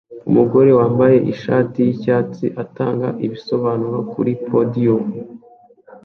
Umugore wambaye ishati yicyatsi atanga ibisobanuro kuri podium